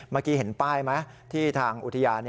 เมื่อกี้เห็นป้ายไหมที่ทางอุทยาน